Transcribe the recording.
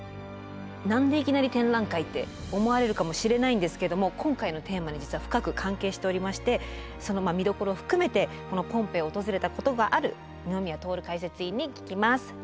何でいきなり展覧会って思われるかもしれないんですけども今回のテーマに実は深く関係しておりましてその見どころを含めてこのポンペイを訪れたことがある二宮徹解説委員に聞きます。